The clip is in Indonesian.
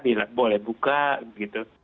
boleh buka gitu